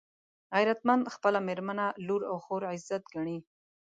غیرتمند خپله مېرمنه، لور او خور عزت ګڼي